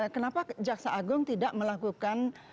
kenapa jaksa agung tidak melakukan